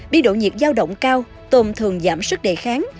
biên độ nhiệt giao động cao tôm thường giảm sức đề kháng